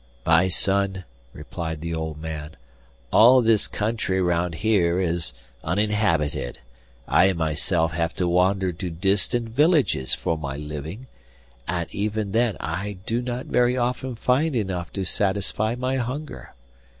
'My son,' replied the old man, 'all this country round here is uninhabited; I myself have to wander to distant villages for my living, and even then I do not very often find enough to satisfy my hunger.